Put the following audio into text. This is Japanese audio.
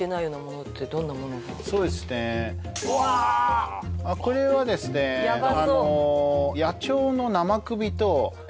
そうですねこれはですねヤバ